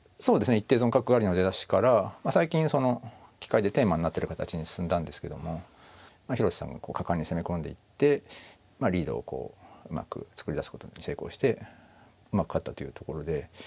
一手損角換わりの出だしから最近その棋界でテーマになってる形に進んだんですけども広瀬さんがこう果敢に攻め込んでいってリードをこううまく作り出すことに成功して勝ったというところで。